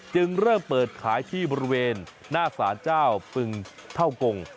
จึงเริ่มเปิดขายที่บริเวณหน้าสารเจ้าปึงเท่ากง